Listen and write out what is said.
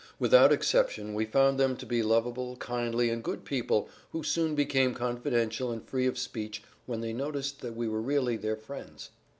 Without exception we found them to be lovable, kindly, and good people who soon became confidential and free of speech when they noticed that we were really their friends.